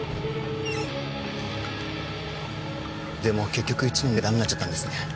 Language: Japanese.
でも結局１年でダメになっちゃったんですね。